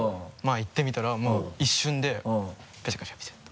言ってみたらもう一瞬で「ペチャクチャ」っと。